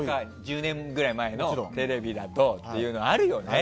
１０年ぐらい前のテレビだとっていうのはあるよね。